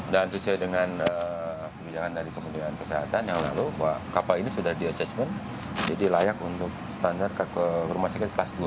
dan sesuai dengan kebijakan dari kementerian kesehatan yang lalu bahwa kapal ini sudah di assessment jadi layak untuk standard ke rumah sakit kelas dua